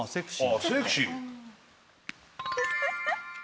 あっセクシー。